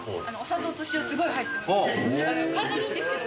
砂糖と塩すごい入ってまして。